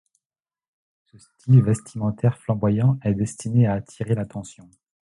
Ce style vestimentaire flamboyant est destiné à attirer l'attention.